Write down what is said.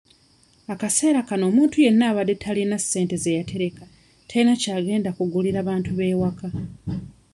Akaseera kano omuntu yenna abadde talina ssente ze yatereka tayina ky'agenda gulira bantu b'ewaka.